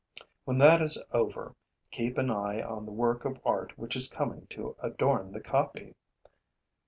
When that is over, keep an eye on the work of art which is coming to adorn the copy!